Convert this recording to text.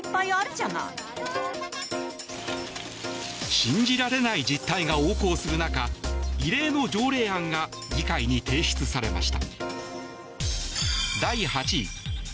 信じられない実態が横行する中異例の条例案が議会に提出されました。